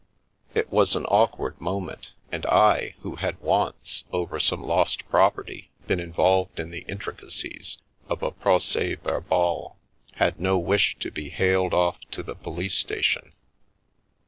It was an awkward moment, and I, who had once, over some lost property, been involved in the intricacies of a prods verbal, had no wish to be haled off to the police station.